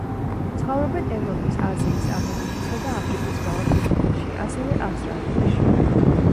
ცხოვრობენ ევროპის, აზიის, ამერიკისა და აფრიკის მრავალ ქვეყანაში, ასევე ავსტრალიაში.